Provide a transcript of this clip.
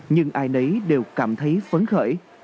nhưng ai nấy đều cảm thấy phấn khởi